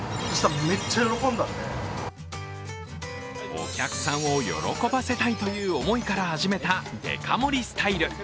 お客さんを喜ばせたいという思いから始めたデカ盛りスタイル。